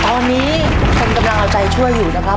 ตอนนี้ทุกคนกำลังเอาใจช่วยอยู่นะครับ